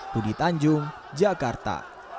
budi tanjung jakarta